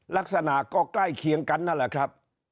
ลักษณะก็ใกล้เคียงกันนั่นแหละครับ